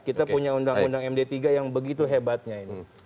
kita punya undang undang md tiga yang begitu hebatnya ini